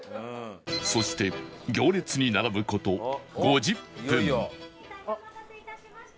そして行列に並ぶ事５０分